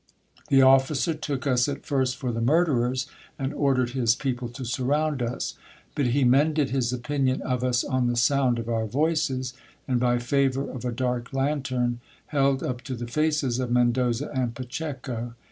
The officer took us at first for the murderers, and ordered his people to surround us ; but he mended his opinion of us on the sound of our voices, and by favour of a dark lantern held up to the faces of Mendoza and Pacheco.